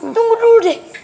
tunggu dulu deh